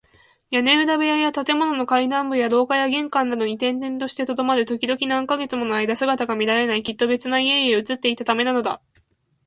屋根裏部屋や建物の階段部や廊下や玄関などに転々としてとどまる。ときどき、何カ月ものあいだ姿が見られない。きっと別な家々へ移っていったためなのだ。